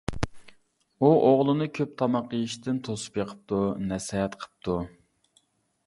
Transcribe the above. ئۇ ئوغلىنى كۆپ تاماق يېيىشتىن توسۇپ بېقىپتۇ، نەسىھەت قىپتۇ.